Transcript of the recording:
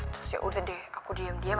terus yaudah deh aku diem diem